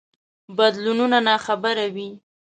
بدلونونو ناخبره وي.